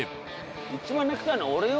一番面倒くさいのは俺よ。